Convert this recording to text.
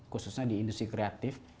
khususnya di industri kreatif